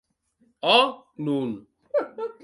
Ò!, non.